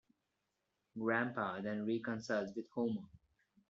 Grampa then reconciles with Homer.